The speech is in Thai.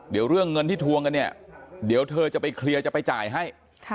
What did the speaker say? เดี๋ยวเรื่องเงินที่ทวงกันเนี่ยเดี๋ยวเธอจะไปเคลียร์จะไปจ่ายให้